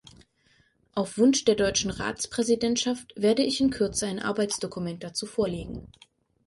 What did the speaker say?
Auf Wunsch der deutschen Ratspräsidentschaft werde ich in Kürze ein Arbeitsdokument dazu vorlegen.